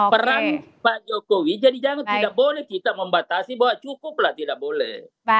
perang pak jokowi jadi jangan tidak boleh kita membatasi bahwa cukup lah tidak boleh